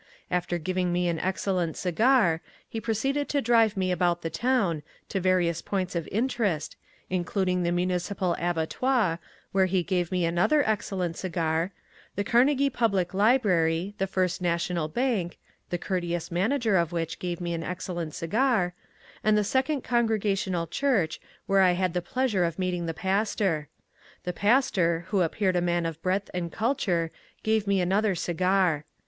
After giving me an excellent cigar, he proceeded to drive me about the town, to various points of interest, including the municipal abattoir, where he gave me another excellent cigar, the Carnegie public library, the First National Bank (the courteous manager of which gave me an excellent cigar) and the Second Congregational Church where I had the pleasure of meeting the pastor. The pastor, who appeared a man of breadth and culture, gave me another cigar.